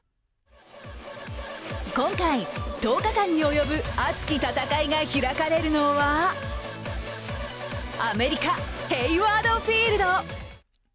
今回、１０日間に及ぶ熱き戦いが開かれるのはアメリカ、ヘイワード・フィールド。